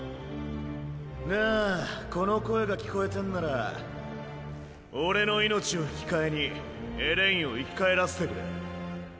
なあこの声が聞こえてんなら俺の命を引き換えにエレインを生き返らせてくれ。